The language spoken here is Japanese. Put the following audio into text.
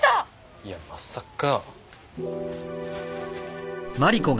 いやまさか。